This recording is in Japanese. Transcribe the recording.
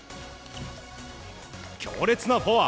強烈なフォア！